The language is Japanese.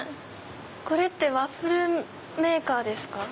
これワッフルメーカーですか？